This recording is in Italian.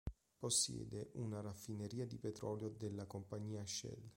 Possiede una raffineria di petrolio della compagnia Shell.